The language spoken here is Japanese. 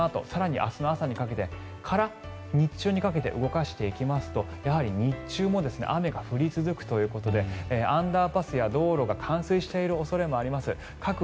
明日の朝から日中にかけて動かしていくとやはり日中も雨が降り続くということでアンダーパスや道路が冠水している恐れがあります。